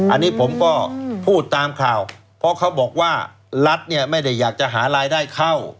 อันนี้ผมก็พูดตามข่าวเพราะเขาบอกว่ารัฐเนี่ยไม่ได้อยากจะหารายได้เข้า